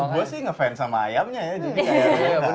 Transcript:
gue sih ngefans sama ayamnya ya jadi kayaknya enak